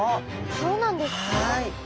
そうなんですか？